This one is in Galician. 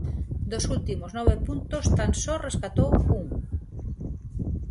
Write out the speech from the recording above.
Dos últimos nove puntos tan só rescatou un.